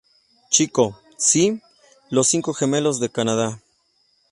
Chico: Sí, los cinco gemelos del Canadá.